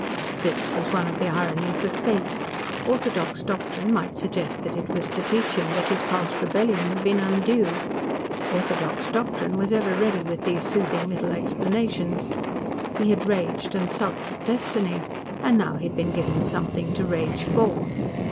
This was one of the ironies of fate. Orthodox doctrine might suggest that it was to teach him that his past rebellion had been undue. Orthodox doctrine was ever ready with these soothing little explanations. He had raged and sulked at Destiny, and now he had been given something to rage for.